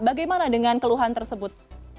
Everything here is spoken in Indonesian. bagaimana dengan keluhan tersebut